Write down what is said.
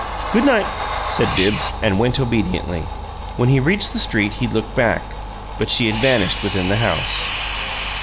"Good night," said Bibbs, and went obediently. When he reached the street he looked back, but she had vanished within the house.